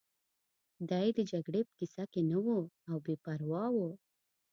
دی د جګړې په کیسه کې نه و او بې پروا و